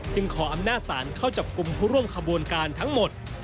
ขออำนาจศาลเข้าจับกลุ่มผู้ร่วมขบวนการทั้งหมด